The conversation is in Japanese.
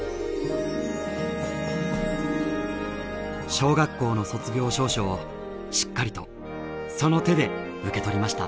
小学校の卒業証書をしっかりとその手で受け取りました。